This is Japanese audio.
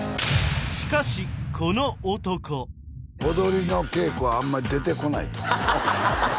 しかしこの男踊りの稽古はあんまり出てこないとハハハハ！